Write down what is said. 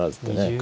角